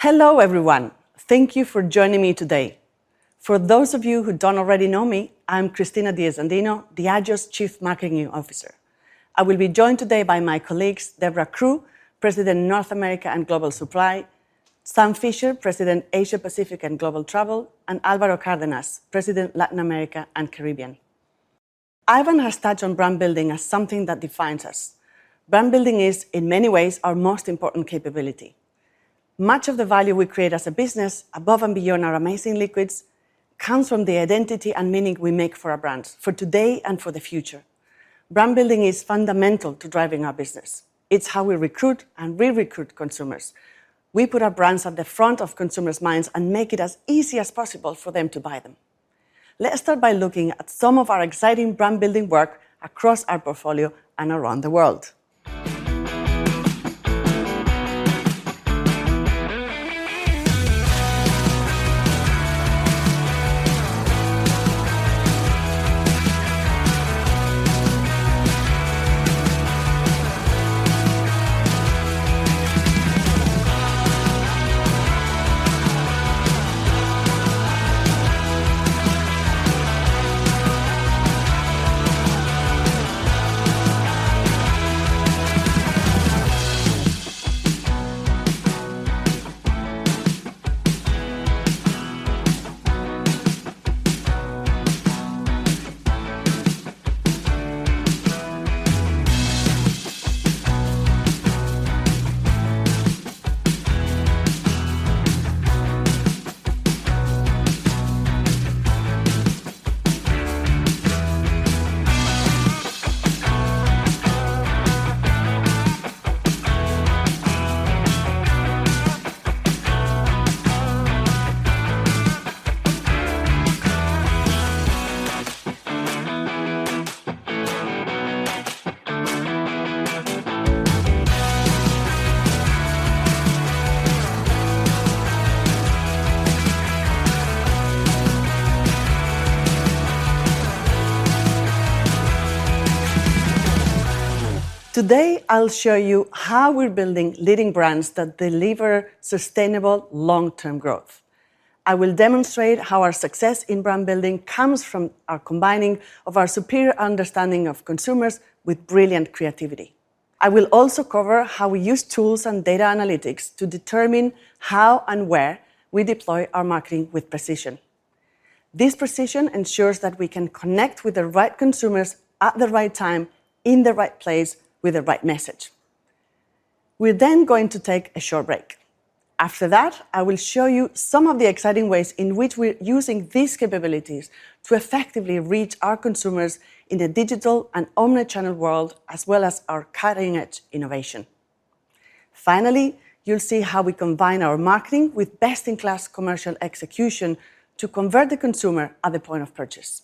Hello everyone. Thank you for joining me today. For those of you who don't already know me, I'm Cristina Diezhandino, Diageo's Chief Marketing Officer. I will be joined today by my colleagues, Debra Crew, President, North America and Global Supply, Sam Fischer, President, Asia Pacific and Global Travel, and Alvaro Cardenas, President, Latin America and Caribbean. Ivan has touched on brand building as something that defines us. Brand building is in many ways our most important capability. Much of the value we create as a business above and beyond our amazing liquids comes from the identity and meaning we make for our brands, for today and for the future. Brand building is fundamental to driving our business. It's how we recruit and re-recruit consumers. We put our brands at the front of consumers' minds and make it as easy as possible for them to buy them. Let's start by looking at some of our exciting brand building work across our portfolio and around the world. Today, I'll show you how we're building leading brands that deliver sustainable long-term growth. I will demonstrate how our success in brand building comes from our combining of our superior understanding of consumers with brilliant creativity. I will also cover how we use tools and data analytics to determine how and where we deploy our marketing with precision. This precision ensures that we can connect with the right consumers at the right time, in the right place, with the right message. We're then going to take a short break. After that, I will show you some of the exciting ways in which we're using these capabilities to effectively reach our consumers in the digital and omni-channel world, as well as our cutting-edge innovation. Finally, you'll see how we combine our marketing with best in class commercial execution to convert the consumer at the point of purchase.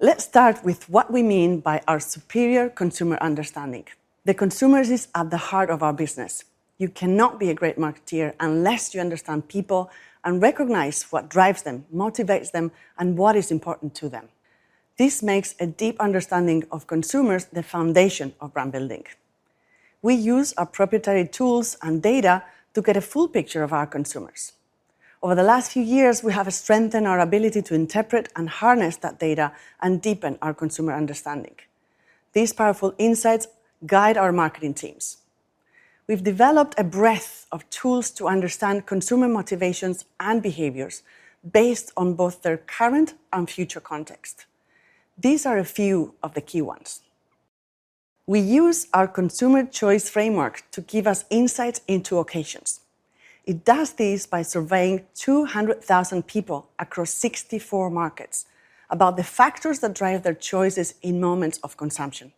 Let's start with what we mean by our superior consumer understanding. The consumer is at the heart of our business. You cannot be a great marketer unless you understand people and recognize what drives them, motivates them, and what is important to them. This makes a deep understanding of consumers the foundation of brand building. We use our proprietary tools and data to get a full picture of our consumers. Over the last few years, we have strengthened our ability to interpret and harness that data and deepen our consumer understanding. These powerful insights guide our marketing teams. We've developed a breadth of tools to understand consumer motivations and behaviors based on both their current and future context. These are a few of the key ones. We use our Consumer Choice Framework to give us insights into occasions. It does this by surveying 200,000 people across 64 markets about the factors that drive their choices in moments of consumption.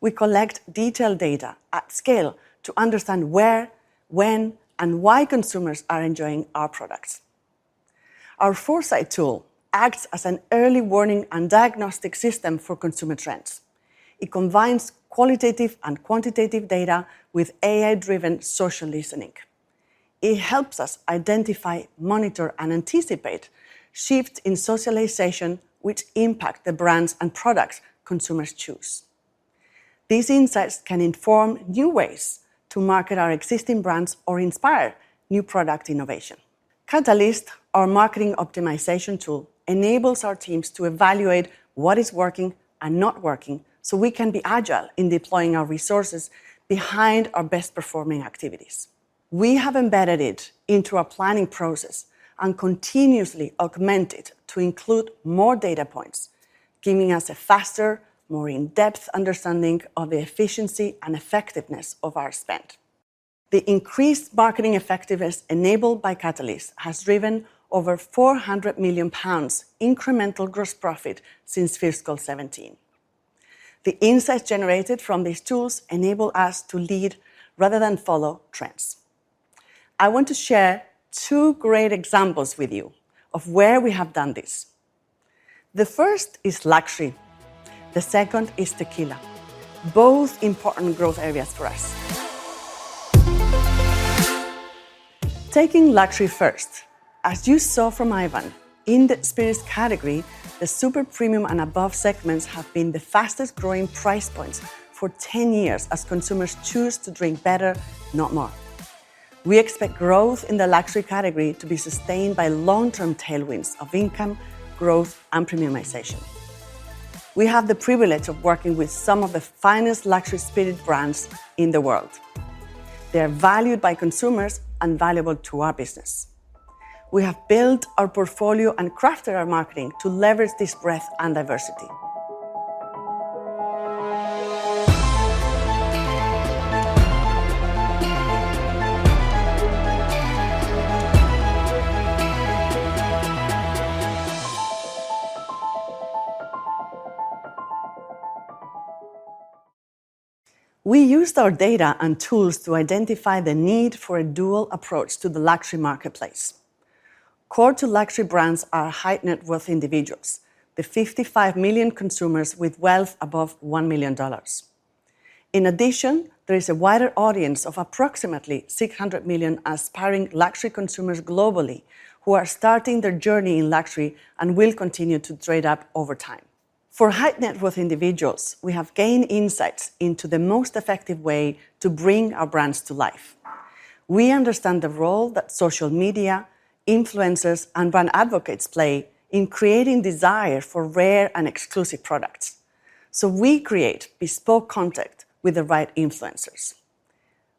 We collect detailed data at scale to understand where, when, and why consumers are enjoying our products. Our Foresight tool acts as an early warning and diagnostic system for consumer trends. It combines qualitative and quantitative data with AI-driven social listening. It helps us identify, monitor, and anticipate shifts in socialization which impact the brands and products consumers choose. These insights can inform new ways to market our existing brands or inspire new product innovation. Catalyst, our marketing optimization tool, enables our teams to evaluate what is working and not working, so we can be agile in deploying our resources behind our best performing activities. We have embedded it into our planning process and continuously augment it to include more data points, giving us a faster, more in-depth understanding of the efficiency and effectiveness of our spend. The increased marketing effectiveness enabled by Catalyst has driven over 400 million pounds incremental gross profit since fiscal 2017. The insights generated from these tools enable us to lead rather than follow trends. I want to share two great examples with you, of where we have done this. The first is luxury, the second is tequila, both important growth areas for us. Taking luxury first. As you saw from Ivan, in the spirits category, the super premium and above segments have been the fastest growing price points for 10 years as consumers choose to drink better, not more. We expect growth in the luxury category to be sustained by long-term tailwinds of income growth and premiumisation. We have the privilege of working with some of the finest luxury spirits brands in the world. They are valued by consumers and valuable to our business. We have built our portfolio and crafted our marketing to leverage this breadth and diversity. We used our data and tools to identify the need for a dual approach to the luxury marketplace. Core to luxury brands are high-net-worth individuals, the 55 million consumers with wealth above $1 million. In addition, there is a wider audience of approximately 600 million aspiring luxury consumers globally who are starting their journey in luxury and will continue to trade up over time. For high-net-worth individuals, we have gained insights into the most effective way to bring our brands to life. We understand the role that social media, influencers, and brand advocates play in creating desire for rare and exclusive products, so we create bespoke contact with the right influencers.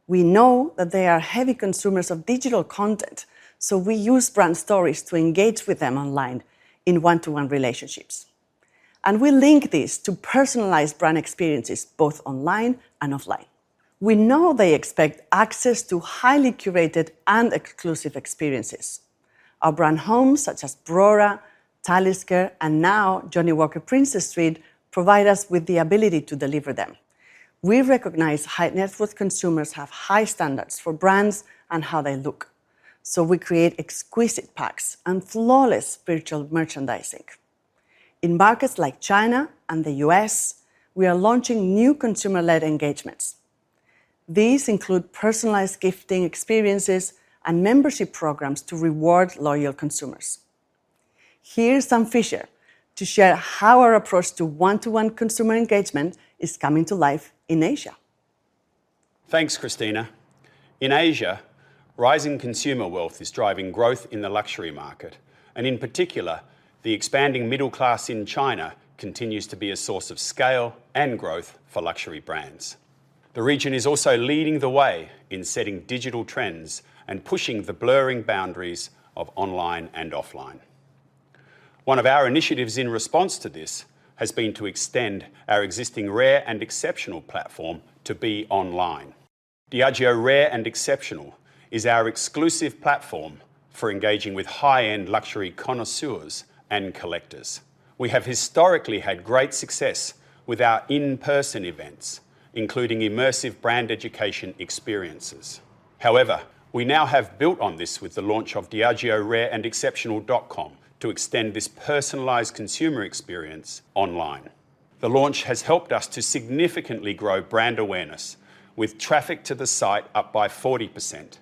We know that they are heavy consumers of digital content, so we use brand stories to engage with them online in one-to-one relationships, and we link this to personalized brand experiences, both online and offline. We know they expect access to highly curated and exclusive experiences. Our brand homes such as Brora, Talisker, and now Johnnie Walker Princes Street provide us with the ability to deliver them. We recognize high-net-worth consumers have high standards for brands and how they look, so we create exquisite packs and flawless virtual merchandising. In markets like China and the U.S., we are launching new consumer-led engagements. These include personalized gifting experiences and membership programs to reward loyal consumers. Here's Sam Fischer to share how our approach to one-to-one consumer engagement is coming to life in Asia. Thanks, Cristina. In Asia, rising consumer wealth is driving growth in the luxury market, and in particular, the expanding middle class in China continues to be a source of scale and growth for luxury brands. The region is also leading the way in setting digital trends and pushing the blurring boundaries of online and offline. One of our initiatives in response to this has been to extend our existing Rare & Exceptional platform to be online. Diageo Rare & Exceptional is our exclusive platform for engaging with high-end luxury connoisseurs and collectors. We have historically had great success with our in-person events, including immersive brand education experiences. However, we now have built on this with the launch of diageorareandexceptional.com to extend this personalized consumer experience online. The launch has helped us to significantly grow brand awareness with traffic to the site up by 40%,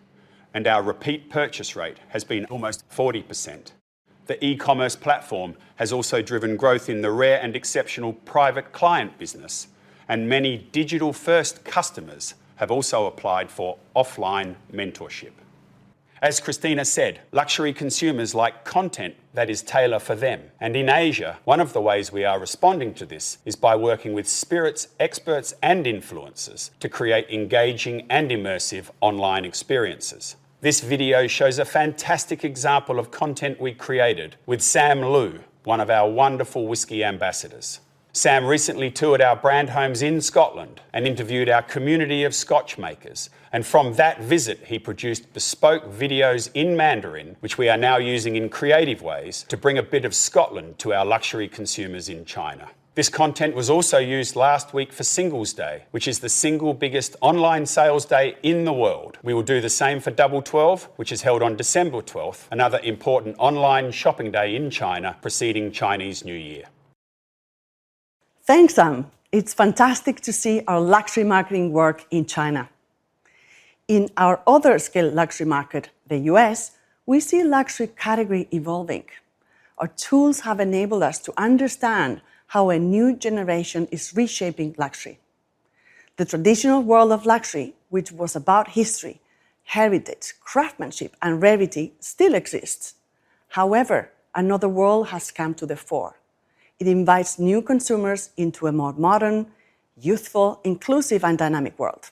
and our repeat purchase rate has been almost 40%. The e-commerce platform has also driven growth in the Rare & Exceptional private client business, and many digital-first customers have also applied for offline mentorship. As Cristina said, luxury consumers like content that is tailored for them, and in Asia, one of the ways we are responding to this is by working with spirits experts and influencers to create engaging and immersive online experiences. This video shows a fantastic example of content we created with Sam Lu, one of our wonderful whisky ambassadors. Sam recently toured our brand homes in Scotland and interviewed our community of Scotch makers, and from that visit, he produced bespoke videos in Mandarin, which we are now using in creative ways to bring a bit of Scotland to our luxury consumers in China. This content was also used last week for Singles Day, which is the single biggest online sales day in the world. We will do the same for Double Twelve, which is held on December 12th, another important online shopping day in China preceding Chinese New Year. Thanks, Sam. It's fantastic to see our luxury marketing work in China. In our other scale luxury market, the U.S., we see luxury category evolving. Our tools have enabled us to understand how a new generation is reshaping luxury. The traditional world of luxury, which was about history, heritage, craftsmanship, and rarity still exists. However, another world has come to the fore. It invites new consumers into a more modern, youthful, inclusive, and dynamic world.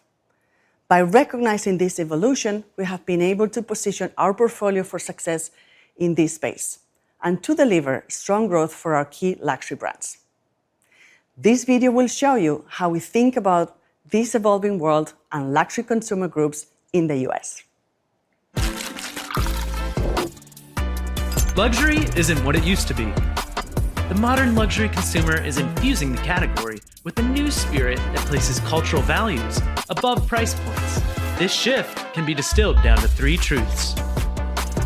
By recognizing this evolution, we have been able to position our portfolio for success in this space and to deliver strong growth for our key luxury brands. This video will show you how we think about this evolving world and luxury consumer groups in the U.S. Luxury isn't what it used to be. The modern luxury consumer is infusing the category with a new spirit that places cultural values above price points. This shift can be distilled down to three truths.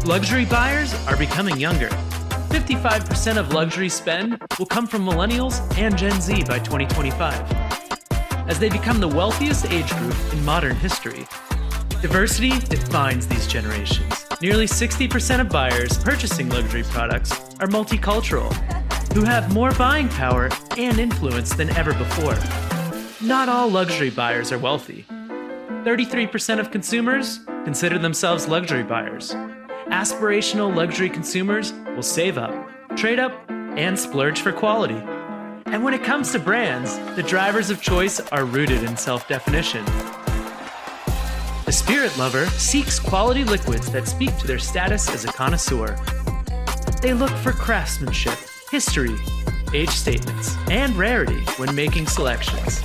Luxury buyers are becoming younger. 55% of luxury spend will come from Millennials and Gen Z by 2025. As they become the wealthiest age group in modern history, diversity defines these generations. Nearly 60% of buyers purchasing luxury products are multicultural, who have more buying power and influence than ever before. Not all luxury buyers are wealthy. 33% of consumers consider themselves luxury buyers. Aspirational luxury consumers will save up, trade up, and splurge for quality. When it comes to brands, the drivers of choice are rooted in self-definition. The spirit lover seeks quality liquids that speak to their status as a connoisseur. They look for craftsmanship, history, age statements, and rarity when making selections.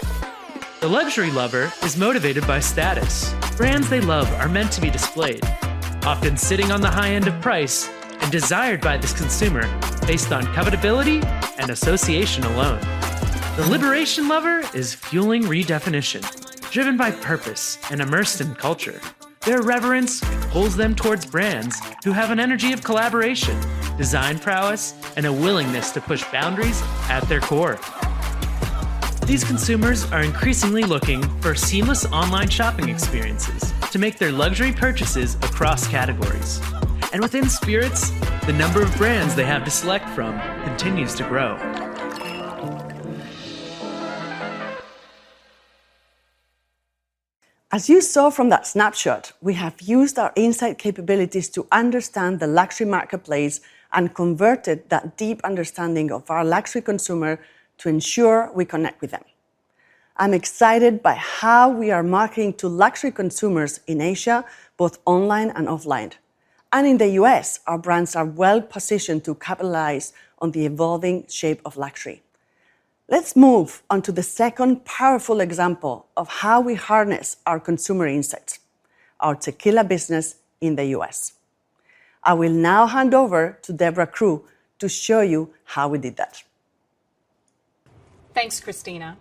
The luxury lover is motivated by status. Brands they love are meant to be displayed, often sitting on the high end of price and desired by this consumer based on covetability and association alone. The liberation lover is fueling redefinition. Driven by purpose and immersed in culture, their reverence pulls them towards brands who have an energy of collaboration, design prowess, and a willingness to push boundaries at their core. These consumers are increasingly looking for seamless online shopping experiences to make their luxury purchases across categories. Within spirits, the number of brands they have to select from continues to grow. As you saw from that snapshot, we have used our insight capabilities to understand the luxury marketplace and converted that deep understanding of our luxury consumer to ensure we connect with them. I'm excited by how we are marketing to luxury consumers in Asia, both online and offline. In the U.S., our brands are well-positioned to capitalize on the evolving shape of luxury. Let's move on to the second powerful example of how we harness our consumer insights, our tequila business in the U.S. I will now hand over to Debra Crew to show you how we did that. Thanks, Cristina.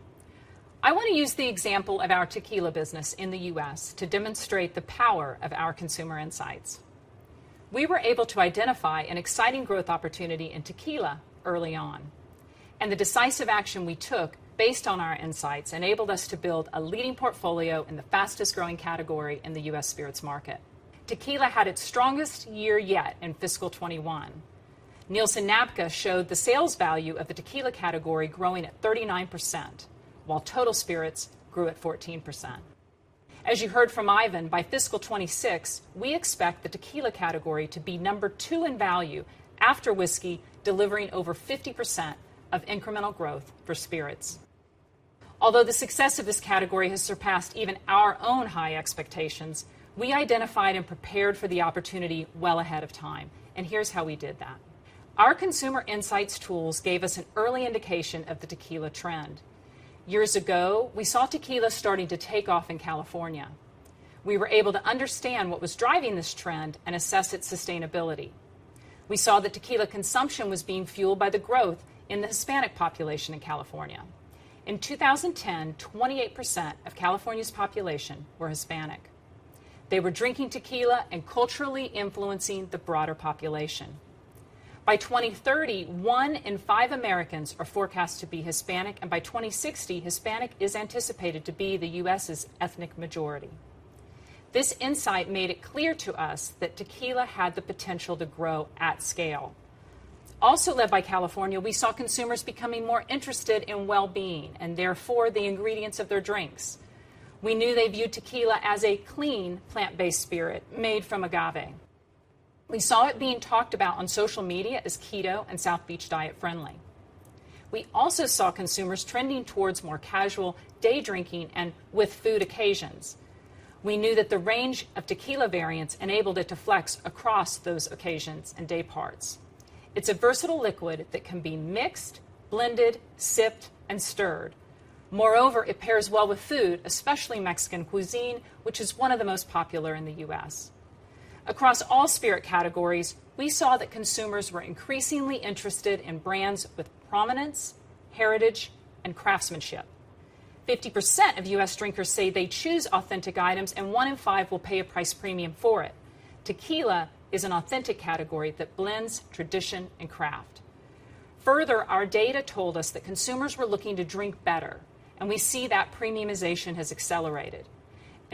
I wanna use the example of our tequila business in the U.S. to demonstrate the power of our consumer insights. We were able to identify an exciting growth opportunity in tequila early on, and the decisive action we took based on our insights enabled us to build a leading portfolio in the fastest-growing category in the U.S. spirits market. Tequila had its strongest year yet in fiscal 2021. Nielsen NABCA showed the sales value of the tequila category growing at 39%, while total spirits grew at 14%. As you heard from Ivan, by fiscal 2026, we expect the tequila category to be number two in value after whiskey, delivering over 50% of incremental growth for spirits. Although the success of this category has surpassed even our own high expectations, we identified and prepared for the opportunity well ahead of time, and here's how we did that. Our consumer insights tools gave us an early indication of the tequila trend. Years ago, we saw tequila starting to take off in California. We were able to understand what was driving this trend and assess its sustainability. We saw that tequila consumption was being fueled by the growth in the Hispanic population in California. In 2010, 28% of California's population were Hispanic. They were drinking tequila and culturally influencing the broader population. By 2030, one in five Americans are forecast to be Hispanic, and by 2060, Hispanic is anticipated to be the U.S.' ethnic majority. This insight made it clear to us that tequila had the potential to grow at scale. Also led by California, we saw consumers becoming more interested in well-being and therefore the ingredients of their drinks. We knew they viewed tequila as a clean, plant-based spirit made from agave. We saw it being talked about on social media as keto and South Beach Diet-friendly. We also saw consumers trending towards more casual day drinking and with food occasions. We knew that the range of tequila variants enabled it to flex across those occasions and day parts. It's a versatile liquid that can be mixed, blended, sipped, and stirred. Moreover, it pairs well with food, especially Mexican cuisine, which is one of the most popular in the U.S. Across all spirit categories, we saw that consumers were increasingly interested in brands with prominence, heritage, and craftsmanship. 50% of U.S. drinkers say they choose authentic items, and one in five will pay a price premium for it. Tequila is an authentic category that blends tradition and craft. Further, our data told us that consumers were looking to drink better, and we see that premiumization has accelerated.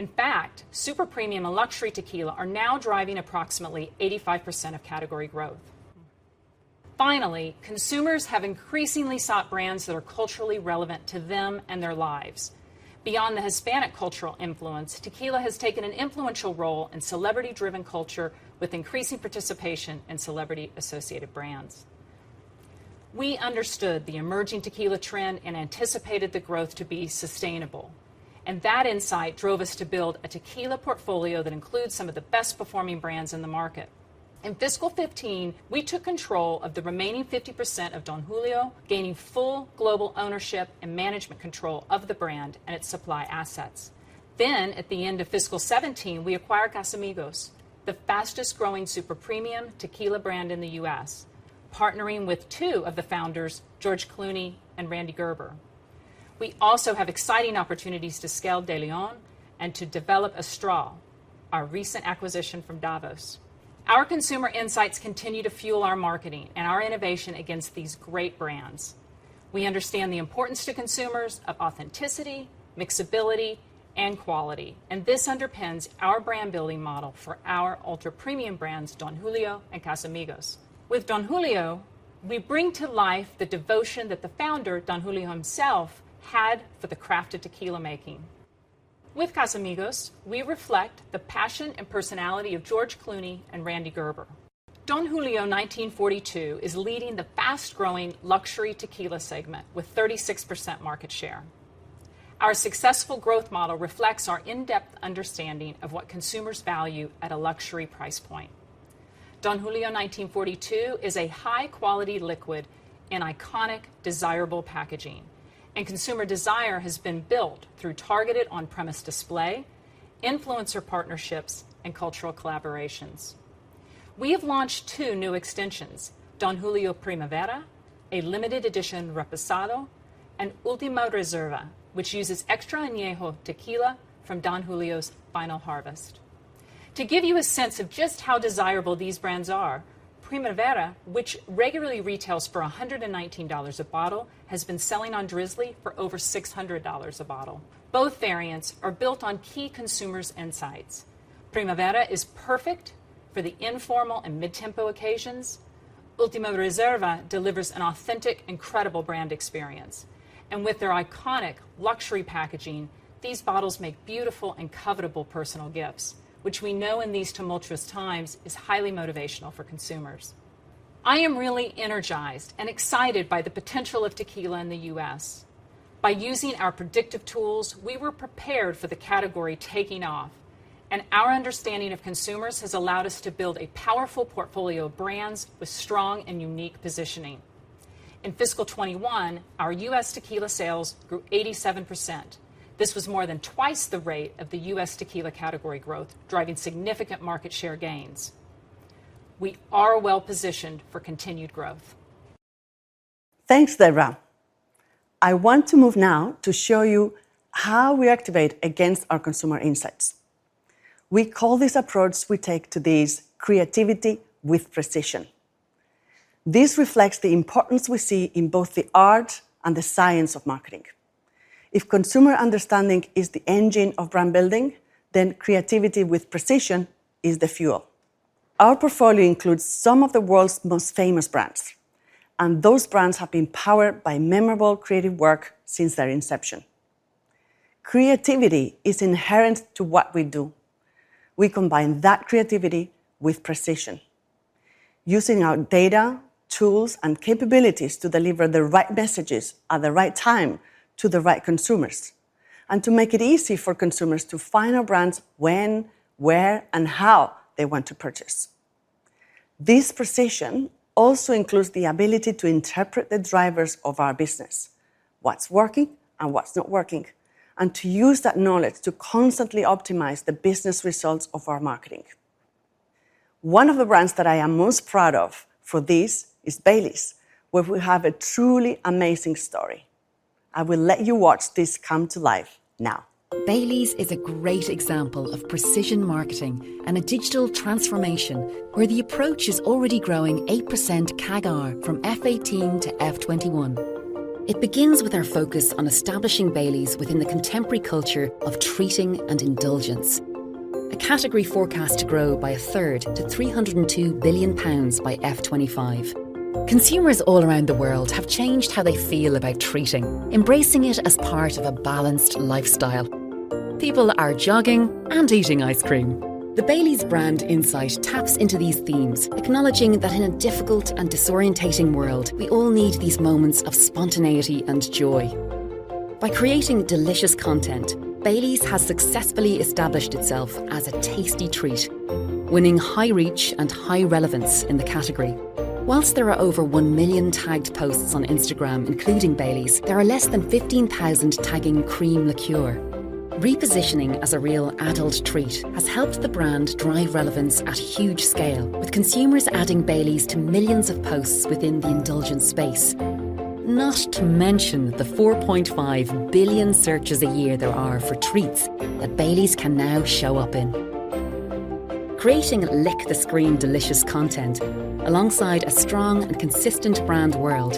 In fact, super premium and luxury tequila are now driving approximately 85% of category growth. Finally, consumers have increasingly sought brands that are culturally relevant to them and their lives. Beyond the Hispanic cultural influence, tequila has taken an influential role in celebrity-driven culture with increasing participation in celebrity-associated brands. We understood the emerging tequila trend and anticipated the growth to be sustainable, and that insight drove us to build a tequila portfolio that includes some of the best-performing brands in the market. In fiscal 2015, we took control of the remaining 50% of Don Julio, gaining full global ownership and management control of the brand and its supply assets. At the end of FY 2017, we acquired Casamigos, the fastest-growing super premium tequila brand in the U.S., partnering with two of the founders, George Clooney and Rande Gerber. We also have exciting opportunities to scale DeLeón and to develop Astral, our recent acquisition from Davos. Our consumer insights continue to fuel our marketing and our innovation against these great brands. We understand the importance to consumers of authenticity, mixability, and quality, and this underpins our brand-building model for our ultra-premium brands, Don Julio and Casamigos. With Don Julio, we bring to life the devotion that the founder, Don Julio himself, had for the craft of tequila making. With Casamigos, we reflect the passion and personality of George Clooney and Rande Gerber. Don Julio 1942 is leading the fast-growing luxury tequila segment with 36% market share. Our successful growth model reflects our in-depth understanding of what consumers value at a luxury price point. Don Julio 1942 is a high-quality liquid in iconic desirable packaging, and consumer desire has been built through targeted on-premise display, influencer partnerships, and cultural collaborations. We have launched two new extensions, Don Julio Primavera, a limited edition Reposado, and Ultima Reserva, which uses extra añejo tequila from Don Julio's final harvest. To give you a sense of just how desirable these brands are, Primavera, which regularly retails for $119 a bottle, has been selling on Drizly for over $600 a bottle. Both variants are built on key consumer insights. Primavera is perfect for the informal and mid-tempo occasions. Ultima Reserva delivers an authentic, incredible brand experience. With their iconic luxury packaging, these bottles make beautiful and covetable personal gifts, which we know in these tumultuous times is highly motivational for consumers. I am really energized and excited by the potential of tequila in the U.S. By using our predictive tools, we were prepared for the category taking off, and our understanding of consumers has allowed us to build a powerful portfolio of brands with strong and unique positioning. In fiscal 2021, our U.S. tequila sales grew 87%. This was more than twice the rate of the U.S. tequila category growth, driving significant market share gains. We are well positioned for continued growth. Thanks, Debra. I want to move now to show you how we activate against our consumer insights. We call this approach we take to this creativity with precision. This reflects the importance we see in both the art and the science of marketing. If consumer understanding is the engine of brand building, then creativity with precision is the fuel. Our portfolio includes some of the world's most famous brands, and those brands have been powered by memorable creative work since their inception. Creativity is inherent to what we do. We combine that creativity with precision, using our data, tools, and capabilities to deliver the right messages at the right time to the right consumers, and to make it easy for consumers to find our brands when, where, and how they want to purchase. This precision also includes the ability to interpret the drivers of our business, what's working and what's not working, and to use that knowledge to constantly optimize the business results of our marketing. One of the brands that I am most proud of for this is Baileys, where we have a truly amazing story. I will let you watch this come to life now. Baileys is a great example of precision marketing and a digital transformation where the approach is already growing 8% CAGR from FY 2018-FY 2021. It begins with our focus on establishing Baileys within the contemporary culture of treating and indulgence, a category forecast to grow by a third to 302 billion pounds by FY 2025. Consumers all around the world have changed how they feel about treating, embracing it as part of a balanced lifestyle. People are jogging and eating ice cream. The Baileys brand insight taps into these themes, acknowledging that in a difficult and disorientating world, we all need these moments of spontaneity and joy. By creating delicious content, Baileys has successfully established itself as a tasty treat, winning high reach and high relevance in the category. While there are over 1 million tagged posts on Instagram including Baileys, there are less than 15,000 tagging cream liqueur. Repositioning as a real adult treat has helped the brand drive relevance at huge scale, with consumers adding Baileys to millions of posts within the indulgence space. Not to mention the 4.5 billion searches a year there are for treats that Baileys can now show up in. Creating lick the screen delicious content alongside a strong and consistent brand world,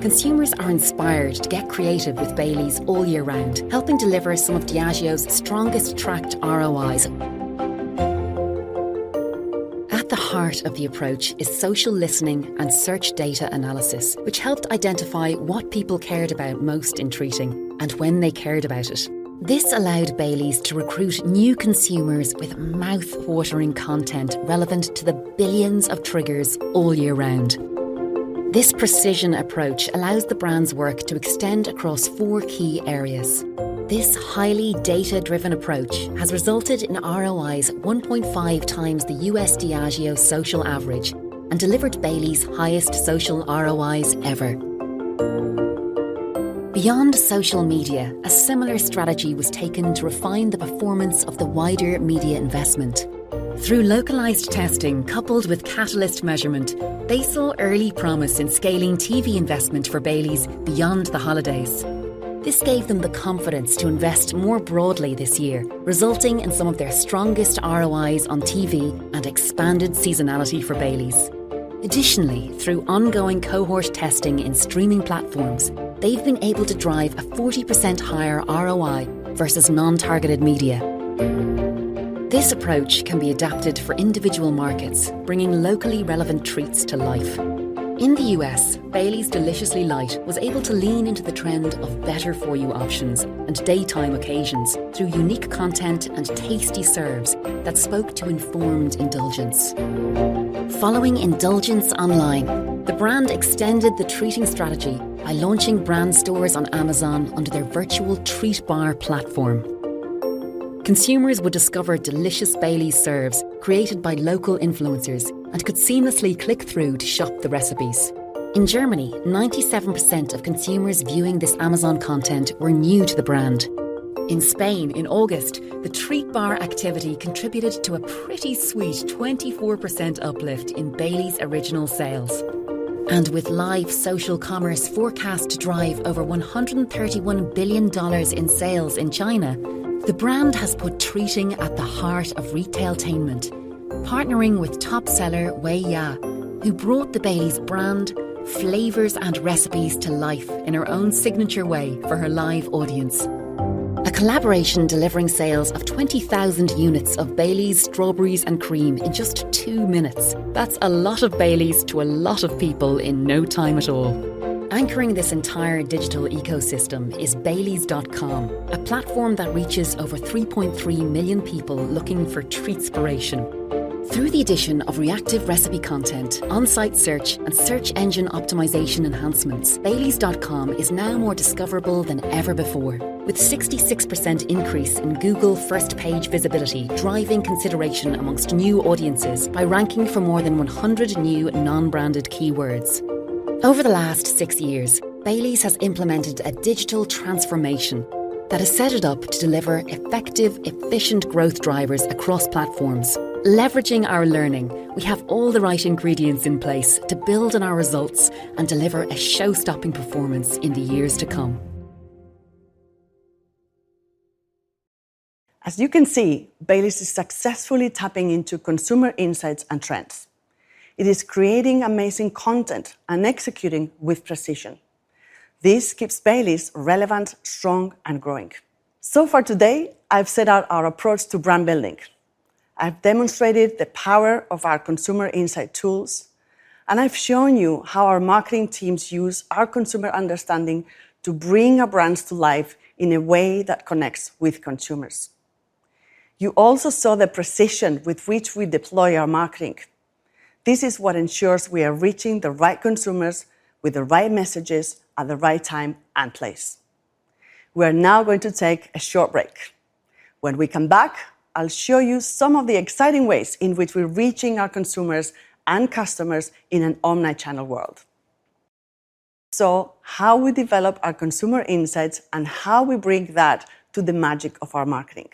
consumers are inspired to get creative with Baileys all year round, helping deliver some of Diageo's strongest tracked ROIs. At the heart of the approach is social listening and search data analysis, which helped identify what people cared about most in treating and when they cared about it. This allowed Baileys to recruit new consumers with mouth-watering content relevant to the billions of triggers all year round. This precision approach allows the brand's work to extend across four key areas. This highly data-driven approach has resulted in ROIs 1.5x the U.S. Diageo social average and delivered Baileys's highest social ROIs ever. Beyond social media, a similar strategy was taken to refine the performance of the wider media investment. Through localized testing coupled with Catalyst measurement, they saw early promise in scaling TV investment for Baileys beyond the holidays. This gave them the confidence to invest more broadly this year, resulting in some of their strongest ROIs on TV and expanded seasonality for Baileys. Additionally, through ongoing cohort testing in streaming platforms, they've been able to drive a 40% higher ROI versus non-targeted media. This approach can be adapted for individual markets, bringing locally relevant treats to life. In the U.S., Baileys Deliciously Light was able to lean into the trend of better-for-you options and daytime occasions through unique content and tasty serves that spoke to informed indulgence. Following indulgence online, the brand extended the treating strategy by launching brand stores on Amazon under their virtual Treat Bar platform. Consumers would discover delicious Baileys serves created by local influencers and could seamlessly click through to shop the recipes. In Germany, 97% of consumers viewing this Amazon content were new to the brand. In Spain, in August, the Treat Bar activity contributed to a pretty sweet 24% uplift in Baileys Original sales. With live social commerce forecast to drive over $131 billion in sales in China, the brand has put treating at the heart of retailtainment, partnering with top seller Viya, who brought the Baileys brand, flavors, and recipes to life in her own signature way for her live audience. A collaboration delivering sales of 20,000 units of Baileys Strawberries & Cream in just two minutes. That's a lot of Baileys to a lot of people in no time at all. Anchoring this entire digital ecosystem is baileys.com, a platform that reaches over 3.3 million people looking for treatspiration. Through the addition of reactive recipe content, on-site search, and search engine optimization enhancements, baileys.com is now more discoverable than ever before, with 66% increase in Google first page visibility, driving consideration amongst new audiences by ranking for more than 100 new non-branded keywords. Over the last six years, Baileys has implemented a digital transformation that has set it up to deliver effective, efficient growth drivers across platforms. Leveraging our learning, we have all the right ingredients in place to build on our results and deliver a show-stopping performance in the years to come. As you can see, Baileys is successfully tapping into consumer insights and trends. It is creating amazing content and executing with precision. This keeps Baileys relevant, strong, and growing. So far today, I've set out our approach to brand building. I've demonstrated the power of our consumer insight tools, and I've shown you how our marketing teams use our consumer understanding to bring our brands to life in a way that connects with consumers. You also saw the precision with which we deploy our marketing. This is what ensures we are reaching the right consumers, with the right messages at the right time, and place. We're now going to take a short break. When we come back, I'll show you some of the exciting ways in which we're reaching our consumers and customers in an omnichannel world. How we develop our consumer insights and how we bring that to the magic of our marketing.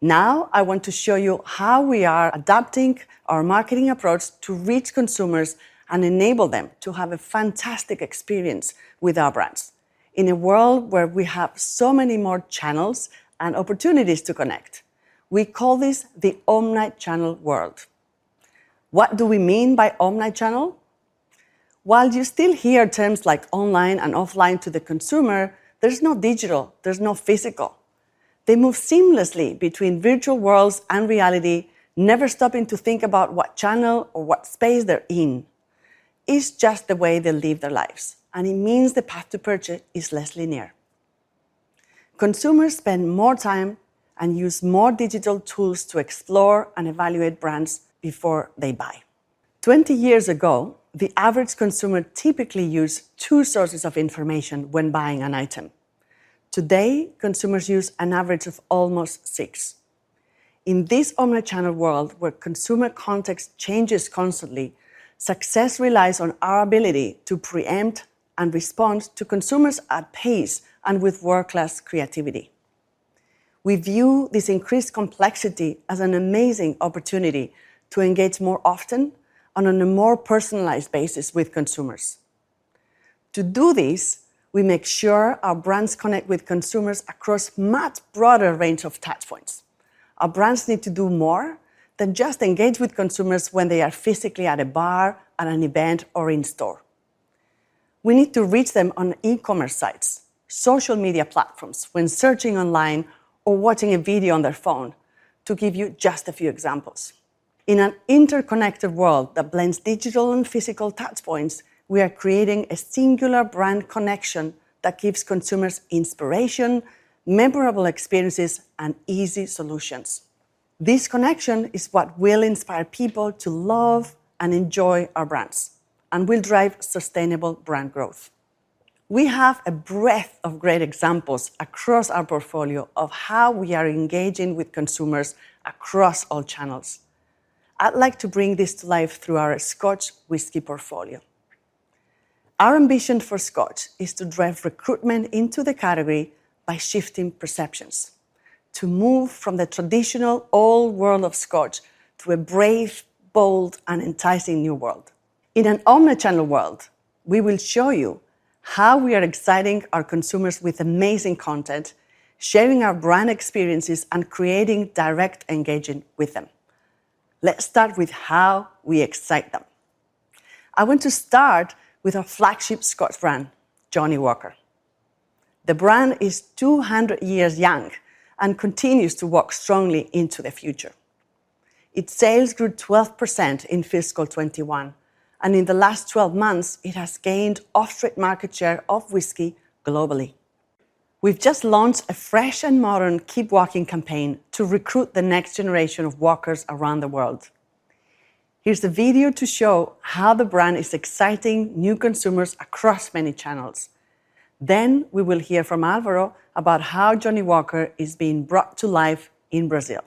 Now, I want to show you how we are adapting our marketing approach to reach consumers and enable them to have a fantastic experience with our brands in a world where we have so many more channels and opportunities to connect. We call this the omnichannel world. What do we mean by omnichannel? While you still hear terms like online and offline to the consumer, there's no digital, there's no physical. They move seamlessly between virtual worlds and reality, never stopping to think about what channel or what space they're in. It's just the way they live their lives, and it means the path to purchase is less linear. Consumers spend more time and use more digital tools to explore and evaluate brands before they buy. 20 years ago, the average consumer typically used two sources of information when buying an item. Today, consumers use an average of almost six. In this omnichannel world where consumer context changes constantly, success relies on our ability to preempt and respond to consumers at pace and with world-class creativity. We view this increased complexity as an amazing opportunity to engage more often and on a more personalized basis with consumers. To do this, we make sure our brands connect with consumers across much broader range of touchpoints. Our brands need to do more than just engage with consumers when they are physically at a bar, at an event, or in store. We need to reach them on e-commerce sites, social media platforms, when searching online or watching a video on their phone, to give you just a few examples. In an interconnected world that blends digital and physical touchpoints, we are creating a singular brand connection that gives consumers inspiration, memorable experiences, and easy solutions. This connection is what will inspire people to love and enjoy our brands and will drive sustainable brand growth. We have a breadth of great examples across our portfolio of how we are engaging with consumers across all channels. I'd like to bring this to life through our Scotch whisky portfolio. Our ambition for Scotch is to drive recruitment into the category by shifting perceptions, to move from the traditional old world of Scotch to a brave, bold, and enticing new world. In an omnichannel world, we will show you how we are exciting our consumers with amazing content, sharing our brand experiences, and creating direct engagement with them. Let's start with how we excite them. I want to start with our flagship Scotch brand, Johnnie Walker. The brand is 200 years young and continues to walk strongly into the future. Its sales grew 12% in fiscal 2021, and in the last 12 months it has gained off-trade market share of whisky globally. We've just launched a fresh and modern Keep Walking campaign to recruit the next generation of walkers around the world. Here's the video to show how the brand is exciting new consumers across many channels. We will hear from Alvaro about how Johnnie Walker is being brought to life in Brazil.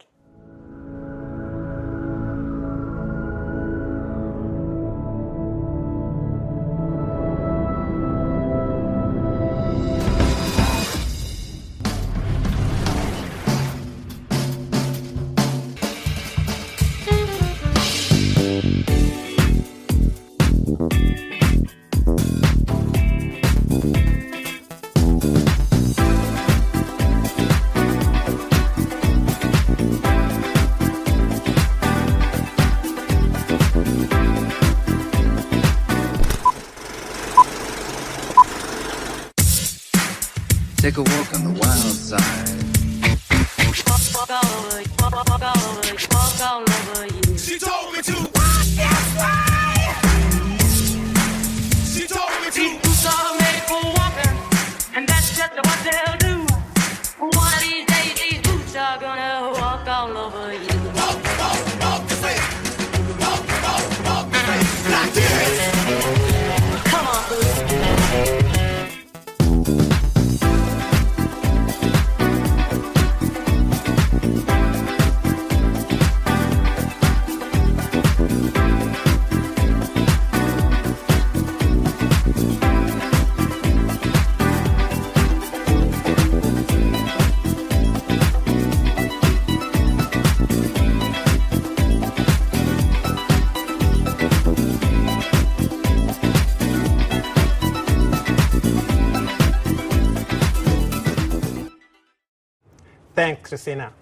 Take a walk on the wild side. Walk, walk, all over. Walk all over you. She told me to. Walk this way. She told me to. These boots are made for walking, and that's just what they'll do. One of these days these boots are gonna walk all over you. Walk, walk this way. Black kids. Come on. Thanks, Cristina.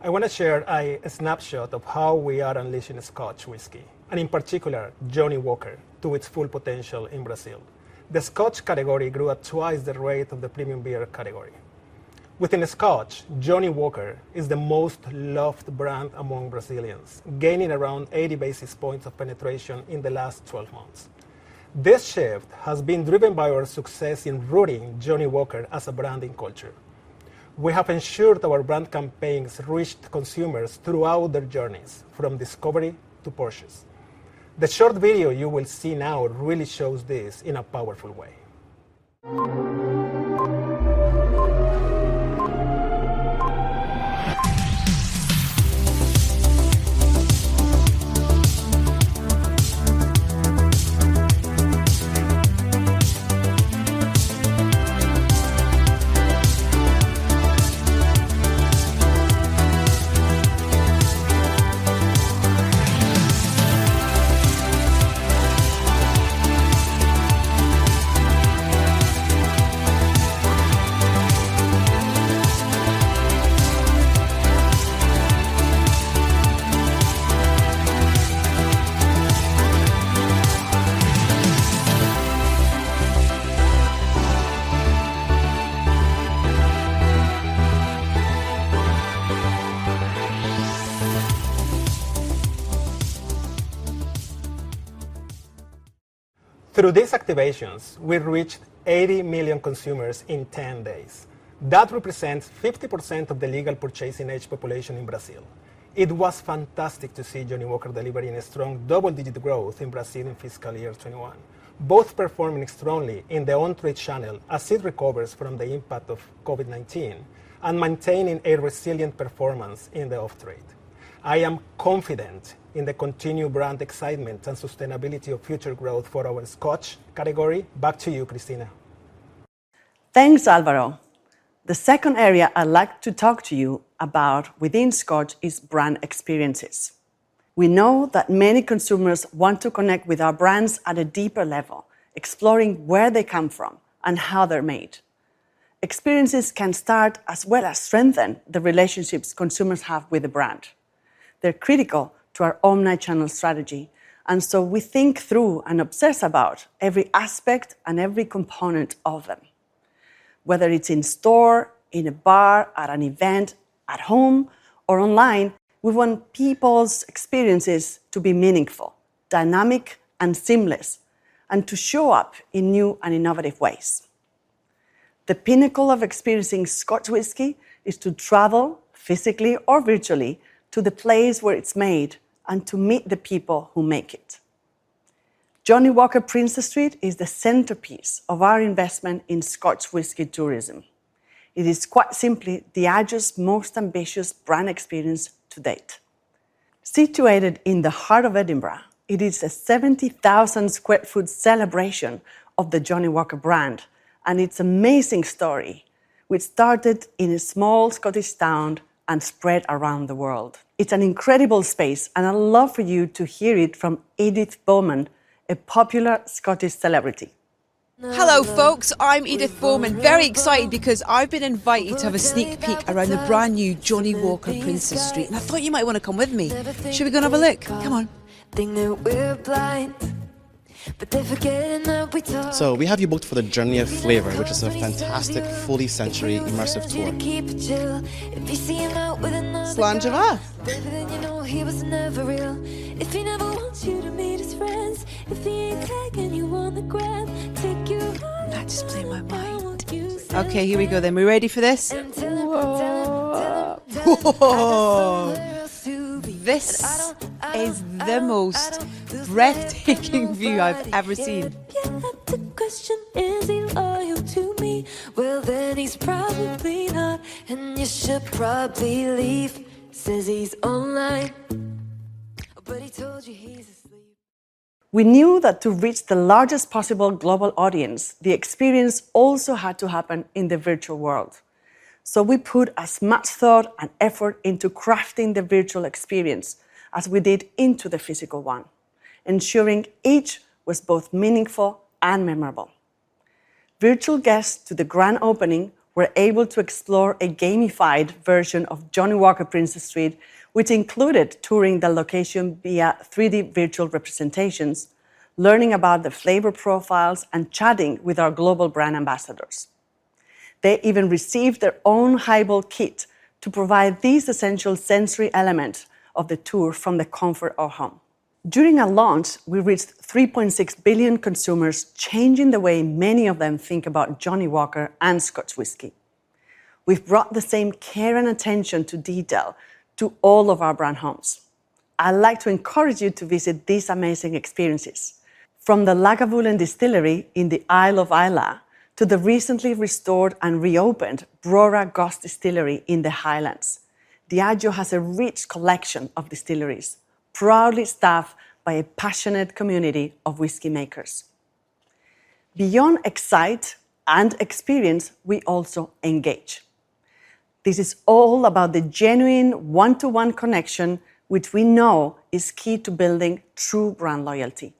I wanna share a snapshot of how we are unleashing Scotch whisky and in particular Johnnie Walker to its full potential in Brazil. The Scotch category grew at twice the rate of the premium beer category. Within Scotch, Johnnie Walker is the most loved brand among Brazilians, gaining around 80 basis points of penetration in the last 12 months. This shift has been driven by our success in rooting Johnnie Walker as a brand in culture. We have ensured our brand campaigns reached consumers throughout their journeys from discovery to purchase. The short video you will see now really shows this in a powerful way. Through these activations, we've reached 80 million consumers in 10 days. That represents 50% of the legal purchasing age population in Brazil. It was fantastic to see Johnnie Walker delivering a strong double-digit growth in Brazil in fiscal year 2021, both performing strongly in the on-trade channel as it recovers from the impact of COVID-19 and maintaining a resilient performance in the off-trade. I am confident in the continued brand excitement and sustainability of future growth for our Scotch category. Back to you, Cristina. Thanks, Alvaro. The second area I'd like to talk to you about within Scotch is brand experiences. We know that many consumers want to connect with our brands at a deeper level, exploring where they come from and how they're made. Experiences can start as well as strengthen the relationships consumers have with the brand. They're critical to our omnichannel strategy, and so we think through and obsess about every aspect and every component of them. Whether it's in store, in a bar, at an event, at home, or online, we want people's experiences to be meaningful, dynamic, and seamless, and to show up in new and innovative ways. The pinnacle of experiencing Scotch whisky is to travel physically or virtually to the place where it's made and to meet the people who make it. Johnnie Walker Princes Street is the centerpiece of our investment in Scotch whisky tourism. It is quite simply Diageo's most ambitious brand experience to date. Situated in the heart of Edinburgh, it is a 70,000 sq ft celebration of the Johnnie Walker brand and its amazing story, which started in a small Scottish town and spread around the world. It's an incredible space, and I'd love for you to hear it from Edith Bowman, a popular Scottish celebrity. Hello, folks. I'm Edith Bowman. Very excited because I've been invited to have a sneak peek around the brand-new Johnnie Walker Princes Street, and I thought you might wanna come with me. Shall we go and have a look? Come on ♪ We have you booked for the Journey of Flavor, which is a fantastic, fully sensory, immersive tour. Slàinte Mhath. Slàinte. That just blew my mind. Okay, here we go then. We ready for this? Whoa. This is the most breathtaking view I've ever seen. We knew that to reach the largest possible global audience, the experience also had to happen in the virtual world, so we put as much thought and effort into crafting the virtual experience as we did into the physical one, ensuring each was both meaningful and memorable. Virtual guests to the grand opening were able to explore a gamified version of Johnnie Walker Princes Street, which included touring the location via 3D virtual representations, learning about the flavor profiles, and chatting with our global brand ambassadors. They even received their own highball kit to provide this essential sensory element of the tour from the comfort of home. During our launch, we reached 3.6 billion consumers, changing the way many of them think about Johnnie Walker and Scotch whisky. We've brought the same care and attention to detail to all of our brand homes. I'd like to encourage you to visit these amazing experiences from the Lagavulin Distillery in the Isle of Islay to the recently restored and reopened Brora Ghost Distillery in the Highlands. Diageo has a rich collection of distilleries, proudly staffed by a passionate community of whisky makers. Beyond exciting experiences, we also engage. This is all about the genuine one-to-one connection which we know is key to building true brand loyalty.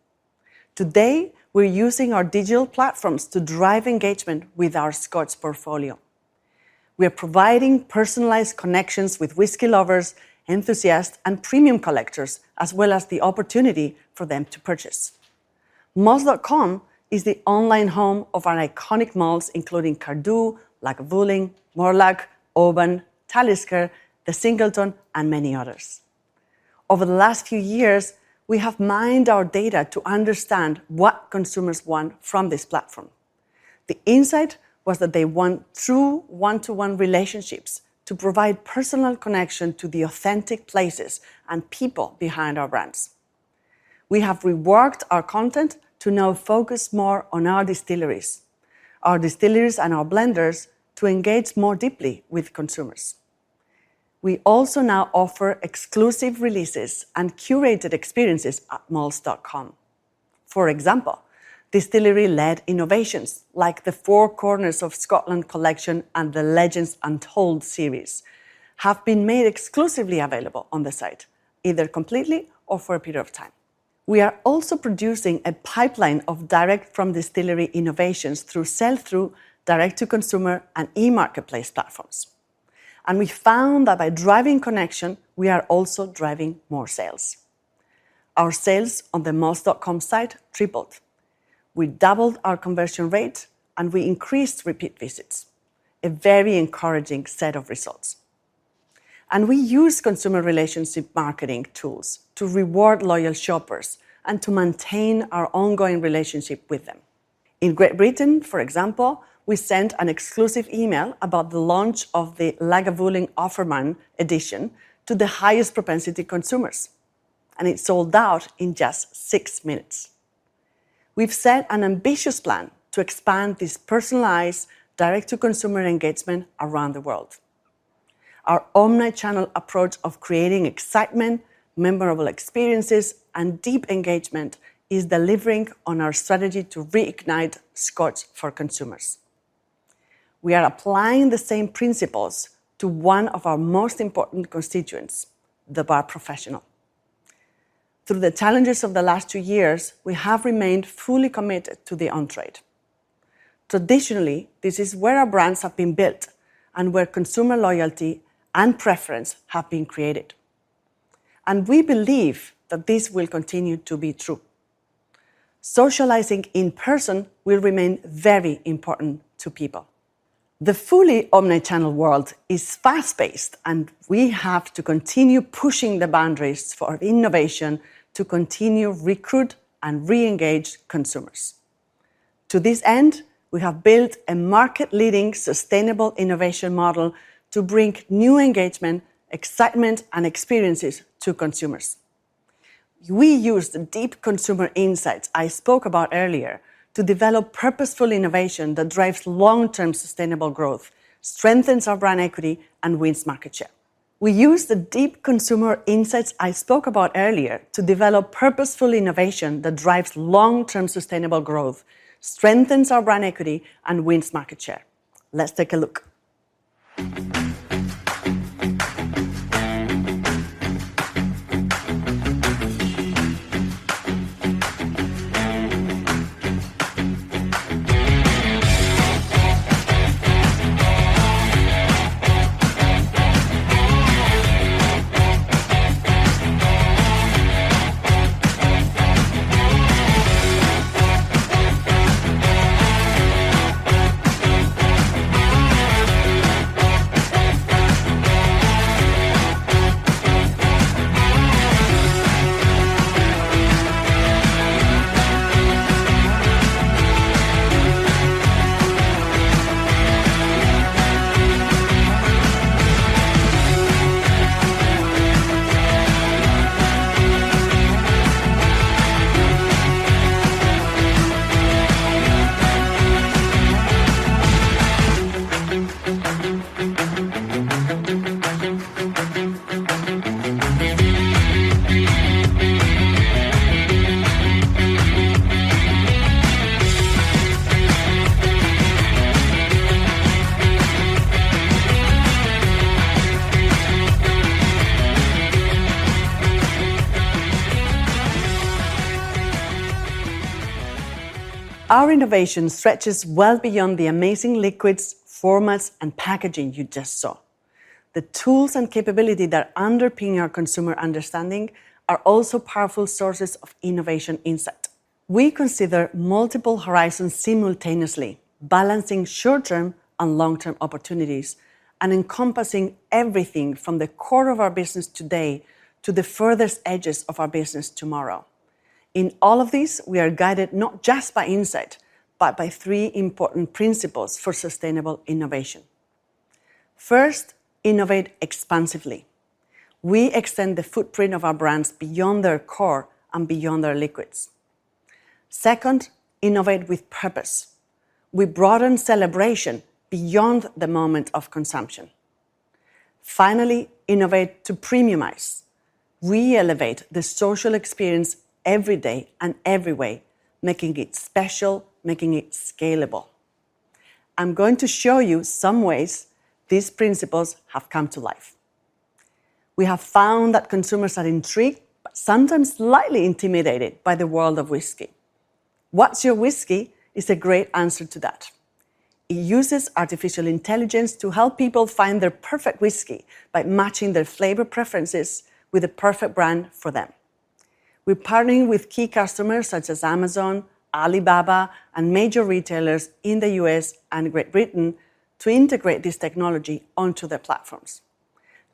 Today, we're using our digital platforms to drive engagement with our Scotch portfolio. We're providing personalized connections with whisky lovers, enthusiasts, and premium collectors, as well as the opportunity for them to purchase. Malts.com is the online home of our iconic malts, including Cardhu, Lagavulin, Mortlach, Oban, Talisker, The Singleton, and many others. Over the last few years, we have mined our data to understand what consumers want from this platform. The insight was that they want true one-to-one relationships to provide personal connection to the authentic places and people behind our brands. We have reworked our content to now focus more on our distilleries, and our blenders, to engage more deeply with consumers. We also, now offer exclusive releases and curated experiences at malts.com. For example, distillery-led innovations, like the Four Corners of Scotland collection and the Legends Untold series, have been made exclusively available on the site, either completely or for a period of time. We are also producing a pipeline of direct from distillery innovations through sell through direct to consumer and e-marketplace platforms. We found that by driving connection, we are also driving more sales. Our sales on the malts.com site tripled. We doubled our conversion rate, and we increased repeat visits, a very encouraging set of results. We use consumer relationship marketing tools to reward loyal shoppers and to maintain our ongoing relationship with them. In Great Britain, for example, we sent an exclusive email about the launch of the Lagavulin Offerman Edition to the highest propensity consumers, and it sold out in just six minutes. We've set an ambitious plan to expand this personalized direct-to-consumer engagement around the world. Our omnichannel approach of creating excitement, memorable experiences, and deep engagement is delivering on our strategy to reignite Scotch for consumers. We are applying the same principles to one of our most important constituents, the bar professional. Through the challenges of the last two years, we have remained fully committed to the on-trade. Traditionally, this is where our brands have been built and where consumer loyalty and preference have been created, and we believe that this will continue to be true. Socializing in person will remain very important to people. The fully omnichannel world is fast-paced, and we have to continue pushing the boundaries for innovation to continue to recruit and re-engage consumers. To this end, we have built a market-leading sustainable innovation model to bring new engagement, excitement, and experiences to consumers. We use the deep consumer insights I spoke about earlier to develop purposeful innovation that drives long-term sustainable growth, strengthens our brand equity, and wins market share. Let's take a look. Our innovation stretches well beyond the amazing liquids, formats, and packaging you just saw. The tools and capability that underpin our consumer understanding are also powerful sources of innovation insight. We consider multiple horizons simultaneously, balancing short-term and long-term opportunities and encompassing everything from the core of our business today to the furthest edges of our business tomorrow. In all of this, we are guided not just by insight, but by three important principles for sustainable innovation. First, innovate expansively. We extend the footprint of our brands beyond their core and beyond their liquids. Second, innovate with purpose. We broaden celebration beyond the moment of consumption. Finally, innovate to premiumize. Re-elevate the social experience every day and every way, making it special, making it scalable. I'm going to show you some ways these principles have come to life. We have found that consumers are intrigued, but sometimes slightly intimidated by the world of whiskey. What's Your Whiskey is a great answer to that. It uses artificial intelligence to help people find their perfect whiskey by matching their flavor preferences with the perfect brand for them. We're partnering with key customers such as Amazon, Alibaba, and major retailers in the U.S. and Great Britain to integrate this technology onto their platforms.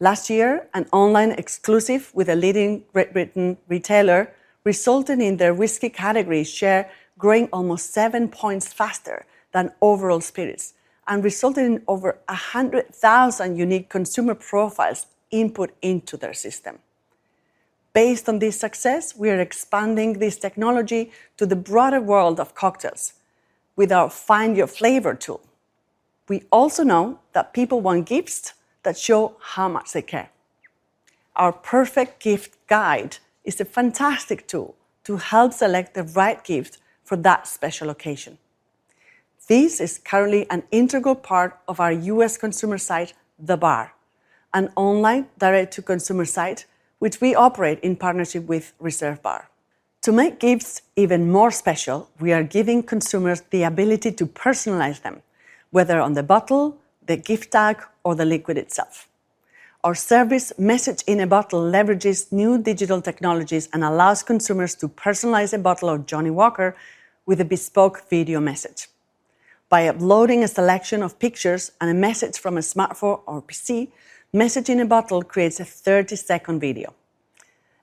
Last year, an online exclusive with a leading Great Britain retailer resulted in their whiskey category share growing almost seven points faster than overall spirits and resulted in over 100,000 unique consumer profiles input into their system. Based on this success, we are expanding this technology to the broader world of cocktails with our Find Your Flavor tool. We also know that people want gifts that show how much they care. Our Perfect Gift Guide is a fantastic tool to help select the right gift for that special occasion. This is currently an integral part of our U.S. consumer site, The Bar, an online direct-to-consumer site which we operate in partnership with ReserveBar. To make gifts even more special, we are giving consumers the ability to personalize them, whether on the bottle, the gift tag, or the liquid itself. Our service Message in a Bottle leverages new digital technologies and allows consumers to personalize a bottle of Johnnie Walker with a bespoke video message. By uploading a selection of pictures and a message from a smartphone or PC, Message in a Bottle creates a 30-second video.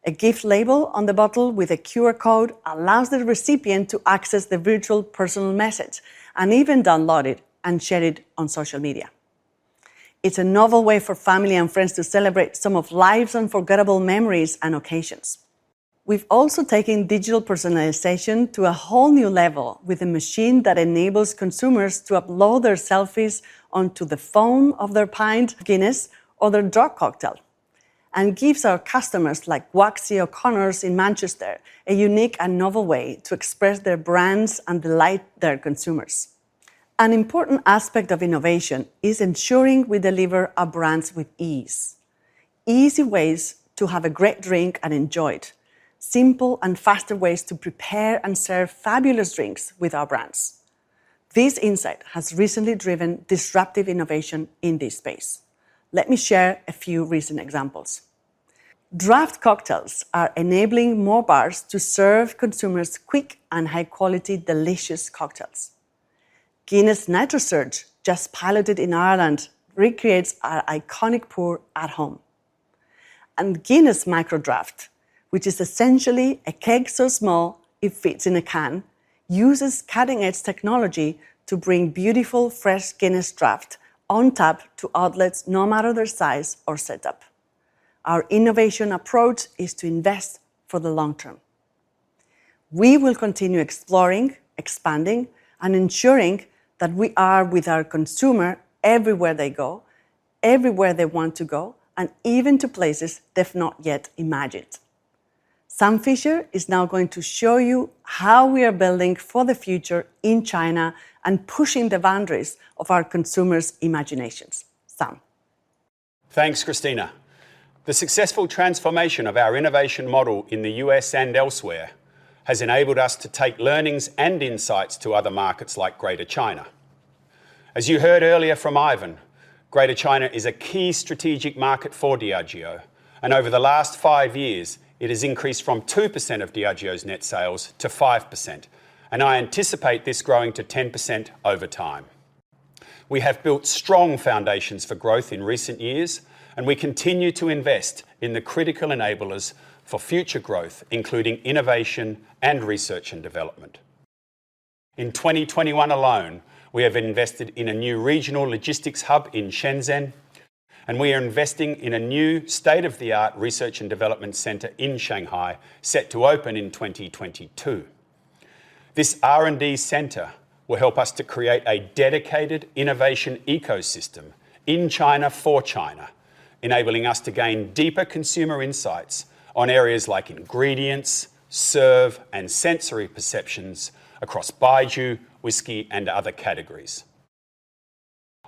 A gift label on the bottle with a QR code allows the recipient to access the virtual personal message and even download it and share it on social media. It's a novel way for family and friends to celebrate some of life's unforgettable memories and occasions. We've also taken digital personalization to a whole new level with a machine that enables consumers to upload their selfies onto the foam of their pint of Guinness or their draft cocktail and gives our customers, like Waxy O'Connor's in Manchester, a unique and novel way to express their brands and delight their consumers. An important aspect of innovation is ensuring we deliver our brands with ease. Easy ways to have a great drink and enjoy it. Simple and faster ways to prepare and serve fabulous drinks with our brands. This insight has recently driven disruptive innovation in this space. Let me share a few recent examples. Draft cocktails are enabling more bars to serve consumers quick and high-quality delicious cocktails. Guinness NITROSURGE, just piloted in Ireland, recreates our iconic pour at home. Guinness MicroDraught, which is essentially a keg so small it fits in a can, uses cutting-edge technology to bring beautiful, fresh Guinness Draught on tap to outlets no matter their size or setup. Our innovation approach is to invest for the long term. We will continue exploring, expanding, and ensuring that we are with our consumer everywhere they go, everywhere they want to go, and even to places they've not yet imagined. Sam Fischer is now going to show you how we are building for the future in China and pushing the boundaries of our consumers' imaginations. Sam? Thanks, Cristina. The successful transformation of our innovation model in the U.S. and elsewhere has enabled us to take learnings and insights to other markets like Greater China. As you heard earlier from Ivan, Greater China is a key strategic market for Diageo, and over the last five years, it has increased from 2% of Diageo's net sales to 5%, and I anticipate this growing to 10% over time. We have built strong foundations for growth in recent years, and we continue to invest in the critical enablers for future growth, including innovation and research and development. In 2021 alone, we have invested in a new regional logistics hub in Shenzhen, and we are investing in a new state-of-the-art research and development center in Shanghai, set to open in 2022. This R&D center will help us to create a dedicated innovation ecosystem in China for China, enabling us to gain deeper consumer insights on areas like ingredients, serve, and sensory perceptions across baijiu, whisky, and other categories.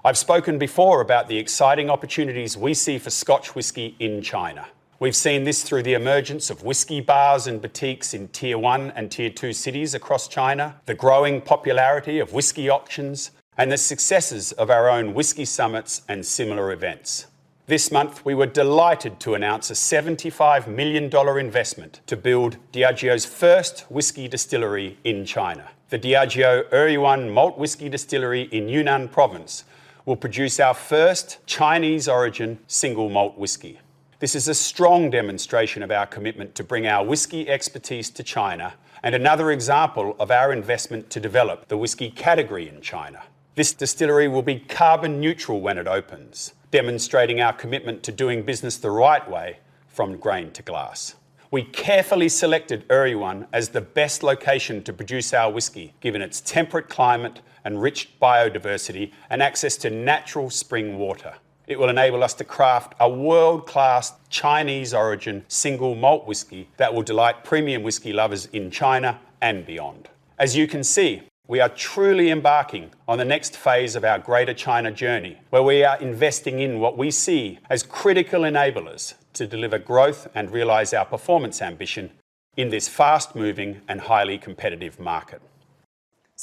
I've spoken before about the exciting opportunities we see for Scotch whisky in China. We've seen this through the emergence of whisky bars and boutiques in tier-one and tier-two cities across China, the growing popularity of whisky auctions, and the successes of our own whisky summits and similar events. This month, we were delighted to announce a $75 million investment to build Diageo's first whisky distillery in China. The Diageo Eryuan Malt Whisky Distillery in Yunnan Province will produce our first Chinese-origin single malt whisky. This is a strong demonstration of our commitment to bring our whiskey expertise to China and another example of our investment to develop the whiskey category in China. This distillery will be carbon neutral when it opens, demonstrating our commitment to doing business the right way from grain to glass. We carefully selected Eryuan as the best location to produce our whiskey, given its temperate climate and rich biodiversity and access to natural spring water. It will enable us to craft a world-class Chinese-origin single malt whiskey that will delight premium whiskey lovers in China and beyond. As you can see, we are truly embarking on the next phase of our Greater China journey, where we are investing in what we see as critical enablers to deliver growth and realize our performance ambition in this fast-moving and highly competitive market.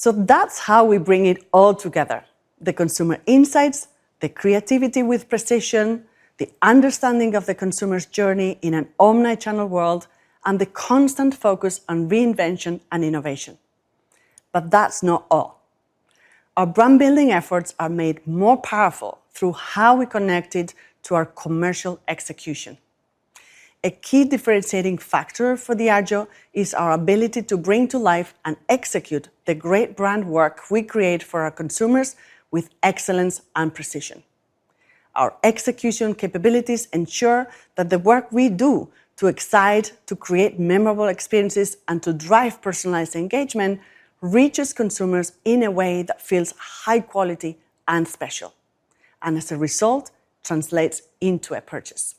That's how we bring it all together. The consumer insights, the creativity with precision, the understanding of the consumer's journey in an omnichannel world, and the constant focus on reinvention and innovation. That's not all. Our brand-building efforts are made more powerful through how we connect it to our commercial execution. A key differentiating factor for Diageo is our ability to bring to life and execute the great brand work we create for our consumers with excellence and precision. Our execution capabilities ensure that the work we do to excite, to create memorable experiences, and to drive personalized engagement reaches consumers in a way that feels high quality and special, and as a result, translates into a purchase.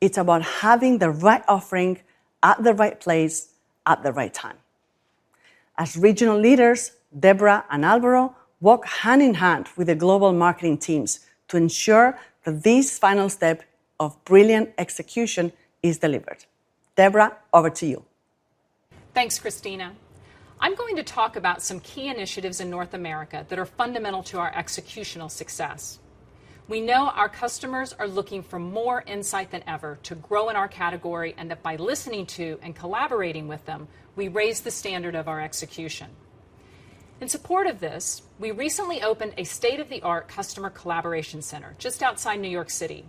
It's about having the right offering at the right place at the right time. As regional leaders, Debra and Alvaro work hand in hand with the global marketing teams to ensure that this final step of brilliant execution is delivered. Debra, over to you. Thanks, Cristina. I'm going to talk about some key initiatives in North America that are fundamental to our executional success. We know our customers are looking for more insight than ever to grow in our category, and that by listening to and collaborating with them, we raise the standard of our execution. In support of this, we recently opened a state-of-the-art customer collaboration center just outside New York City.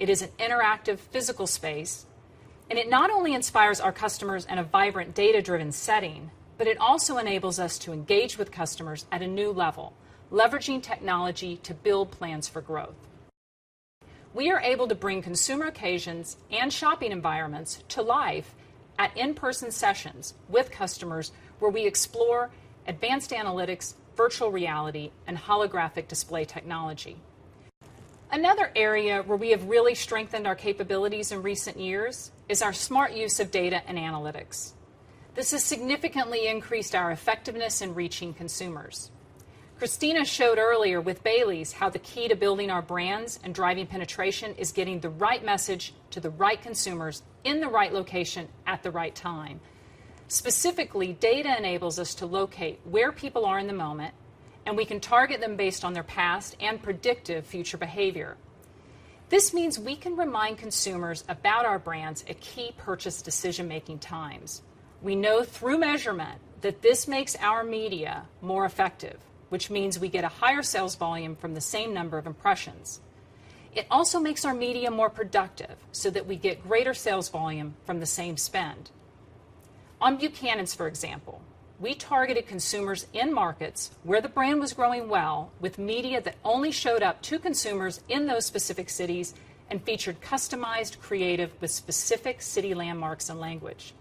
It is an interactive physical space, and it not only inspires our customers in a vibrant, data-driven setting, but it also enables us to engage with customers at a new level, leveraging technology to build plans for growth. We are able to bring consumer occasions and shopping environments to life at in-person sessions with customers where we explore advanced analytics, virtual reality, and holographic display technology. Another area where we have really strengthened our capabilities in recent years is our smart use of data and analytics. This has significantly increased our effectiveness in reaching consumers. Cristina showed earlier with Baileys how the key to building our brands and driving penetration is getting the right message to the right consumers in the right location at the right time. Specifically, data enables us to locate where people are in the moment, and we can target them based on their past and predictive future behavior. This means we can remind consumers about our brands at key purchase decision-making times. We know through measurement that this makes our media more effective, which means we get a higher sales volume from the same number of impressions. It also makes our media more productive so that we get greater sales volume from the same spend. On Buchanan's, for example. We targeted consumers in markets where the brand was growing well with media that only showed up to consumers in those specific cities and featured customized creative with specific city landmarks and language.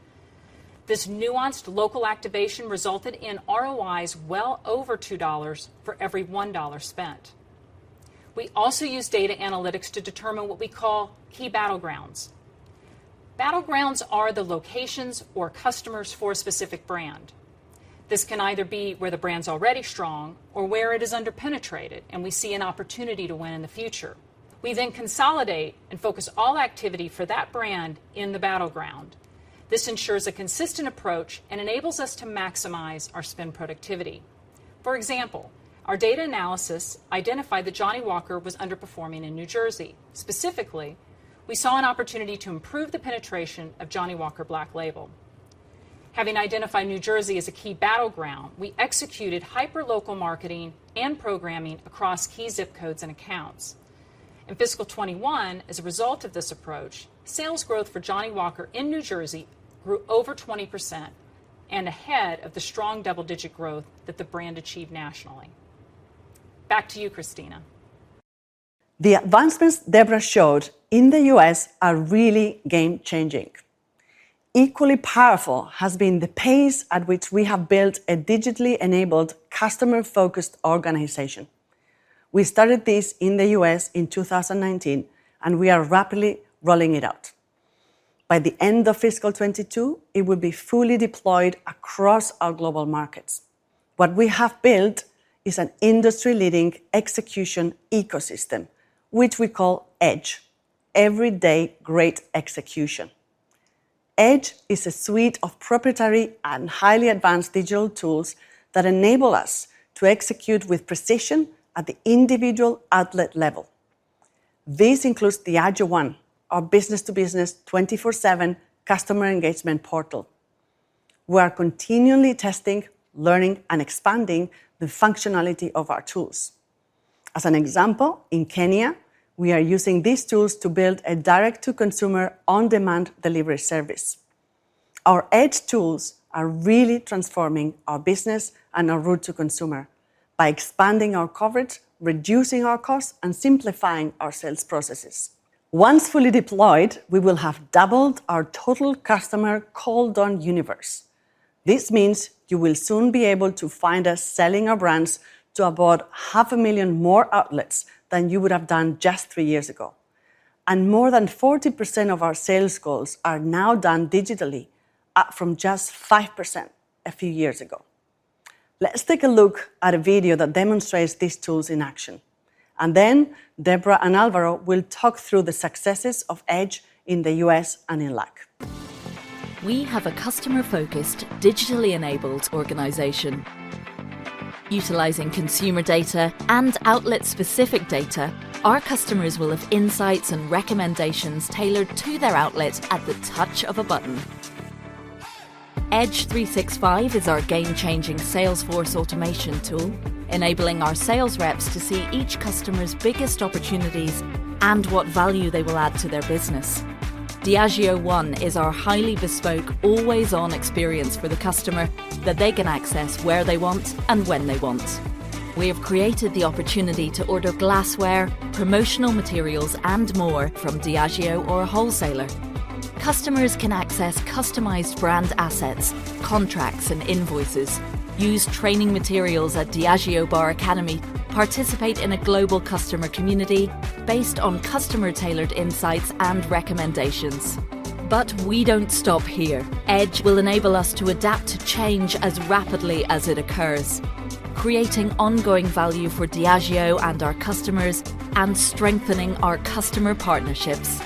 This nuanced local activation resulted in ROI well over $2 for every $1 spent. We also used data analytics to determine what we call key battlegrounds. Battlegrounds are the locations or customers for a specific brand. This can either be where the brand's already strong or where it is under-penetrated, and we see an opportunity to win in the future. We then consolidate and focus all activity for that brand in the battleground. This ensures a consistent approach and enables us to maximize our spend productivity. For example, our data analysis identified that Johnnie Walker was underperforming in New Jersey. Specifically, we saw an opportunity to improve the penetration of Johnnie Walker Black Label. Having identified New Jersey as a key battleground, we executed hyperlocal marketing and programming across key zip codes and accounts. In fiscal 2021, as a result of this approach, sales growth for Johnnie Walker in New Jersey grew over 20% and ahead of the strong double-digit growth that the brand achieved nationally. Back to you, Cristina. The advancements Debra showed in the U.S. are really game-changing. Equally powerful has been the pace at which we have built a digitally enabled customer-focused organization. We started this in the U.S. in 2019, and we are rapidly rolling it out. By the end of fiscal 2022, it will be fully deployed across our global markets. What we have built is an industry-leading execution ecosystem, which we call EDGE, Everyday Great Execution. EDGE is a suite of proprietary and highly advanced digital tools that enable us to execute with precision at the individual outlet level. This includes Diageo One, our business-to-business, 24/7 customer engagement portal. We are continually testing, learning, and expanding the functionality of our tools. As an example, in Kenya, we are using these tools to build a direct-to-consumer, on-demand delivery service. Our EDGE tools are really transforming our business and our route to consumer by expanding our coverage, reducing our costs, and simplifying our sales processes. Once fully deployed, we will have doubled our total customer called on universe. This means you will soon be able to find us selling our brands to about half a million more outlets than you would have done just three years ago. More than 40% of our sales calls are now done digitally, up from just 5% a few years ago. Let's take a look at a video that demonstrates these tools in action, and then Debra and Alvaro will talk through the successes of EDGE in the U.S. and in LAC. We have a customer-focused, digitally enabled organization. Utilizing consumer data and outlet-specific data, our customers will have insights and recommendations tailored to their outlets at the touch of a button. EDGE 365 is our game-changing sales force automation tool, enabling our sales reps to see each customer's biggest opportunities and what value they will add to their business. Diageo One is our highly bespoke, always-on experience for the customer that they can access where they want and when they want. We have created the opportunity to order glassware, promotional materials, and more from Diageo or a wholesaler. Customers can access customized brand assets, contracts, and invoices, use training materials at Diageo Bar Academy, participate in a global customer community based on customer-tailored insights and recommendations. We don't stop here. EDGE will enable us to adapt to change as rapidly as it occurs, creating ongoing value for Diageo and our customers and strengthening our customer partnerships.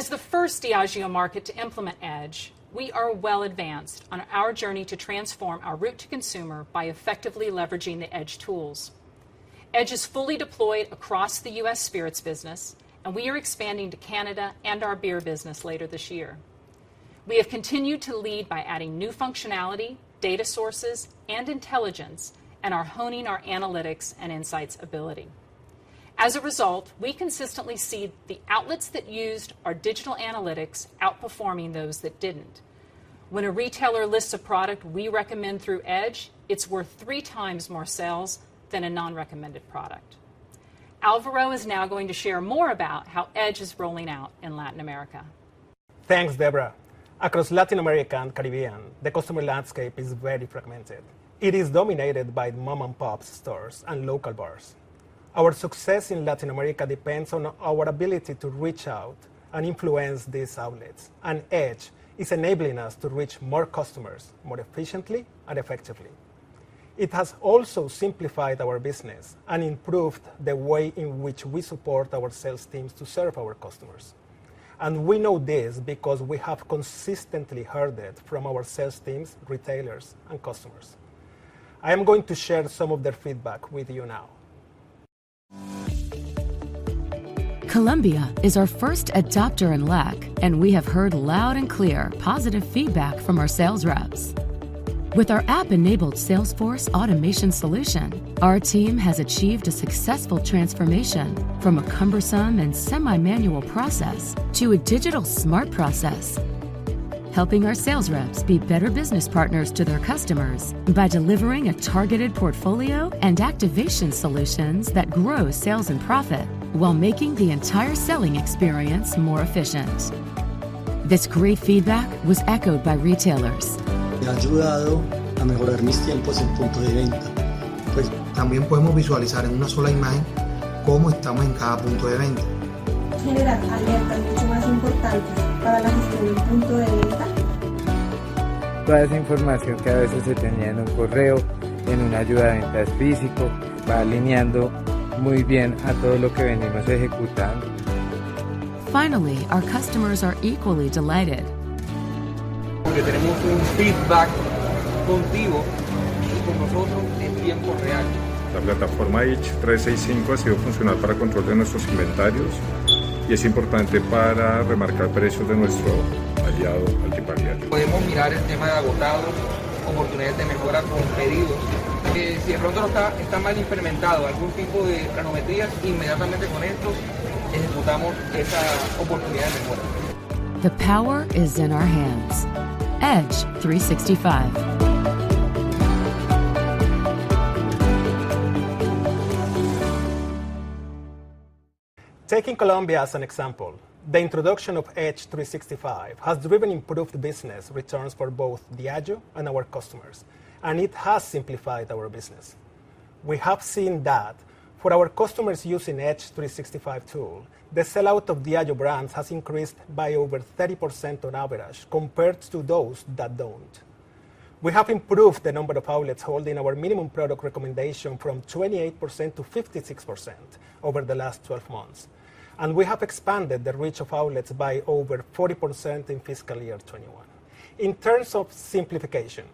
As the first Diageo market to implement EDGE, we are well advanced on our journey to transform our route to consumer by effectively leveraging the EDGE tools. EDGE is fully deployed across the U.S. Spirits business, and we are expanding to Canada and our Beer business later this year. We have continued to lead by adding new functionality, data sources, and intelligence, and are honing our analytics and insights ability. As a result, we consistently see the outlets that used our digital analytics outperforming those that didn't. When a retailer lists a product we recommend through EDGE, it's worth three times more sales than a non-recommended product. Alvaro is now going to share more about how EDGE is rolling out in Latin America. Thanks, Debra. Across Latin America and Caribbean, the customer landscape is very fragmented. It is dominated by mom-and-pop stores and local bars. Our success in Latin America depends on our ability to reach out and influence these outlets, and EDGE is enabling us to reach more customers more efficiently and effectively. It has also simplified our business and improved the way in which we support our sales teams to serve our customers. We know this because we have consistently heard it from our sales teams, retailers, and customers. I am going to share some of their feedback with you now. Colombia is our first adopter in LAC, and we have heard loud and clear positive feedback from our sales reps. With our app-enabled sales force automation solution, our team has achieved a successful transformation from a cumbersome and semi-manual process to a digital smart process, helping our sales reps be better business partners to their customers by delivering a targeted portfolio and activation solutions that grow sales and profit while making the entire selling experience more efficient. This great feedback was echoed by retailers. Finally, our customers are equally delighted. The power is in our hands. EDGE 365. Taking Colombia as an example, the introduction of EDGE 365 has driven improved business returns for both Diageo and our customers, and it has simplified our business. We have seen that for our customers using EDGE 365 tool, the sellout of Diageo brands has increased by over 30% on average compared to those that don't. We have improved the number of outlets holding our minimum product recommendation from 28% to 56% over the last 12 months. We have expanded the reach of outlets by over 40% in fiscal year 2021. In terms of simplification,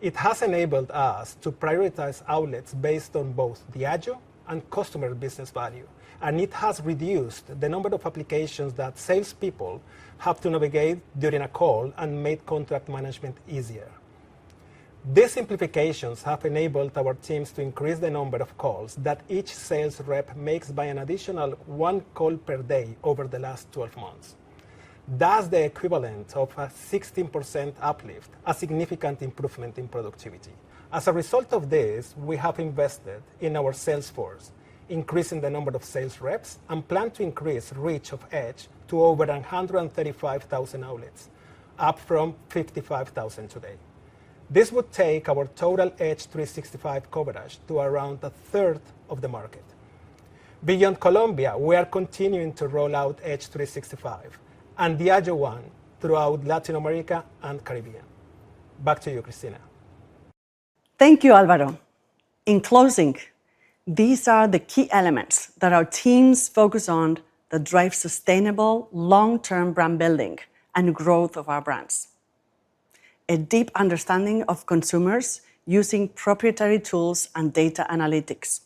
it has enabled us to prioritize outlets based on both Diageo and customer business value, and it has reduced the number of applications that salespeople have to navigate during a call and made contract management easier. These simplifications have enabled our teams to increase the number of calls that each sales rep makes by an additional 1 call per day over the last 12 months. That's the equivalent of a 16% uplift, a significant improvement in productivity. As a result of this, we have invested in our sales force, increasing the number of sales reps, and plan to increase reach of EDGE to over 135,000 outlets, up from 55,000 today. This would take our total EDGE 365 coverage to around 1/3 of the market. Beyond Colombia, we are continuing to roll out EDGE 365 and Diageo One throughout Latin America and Caribbean. Back to you, Cristina. Thank you, Alvaro. In closing, these are the key elements that our teams focus on that drive sustainable long-term brand building and growth of our brands. A deep understanding of consumers using proprietary tools and data analytics.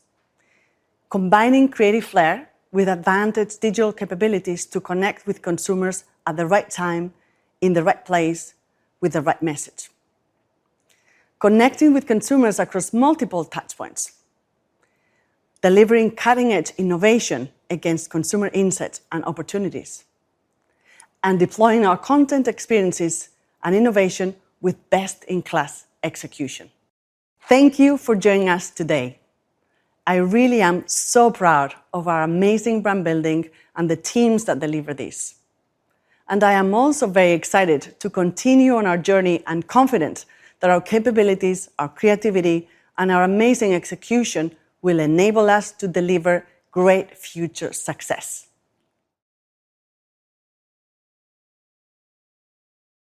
Combining creative flair with advanced digital capabilities to connect with consumers at the right time, in the right place, with the right message. Connecting with consumers across multiple touchpoints. Delivering cutting-edge innovation against consumer insights and opportunities. Deploying our content experiences and innovation with best-in-class execution. Thank you for joining us today. I really am so proud of our amazing brand building and the teams that deliver this. I am also very excited to continue on our journey and confident that our capabilities, our creativity, and our amazing execution will enable us to deliver great future success.